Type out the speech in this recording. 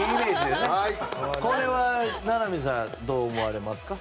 これは名波さんどう思われますか？